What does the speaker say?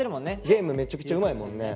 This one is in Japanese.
ゲームめちゃくちゃうまいもんね。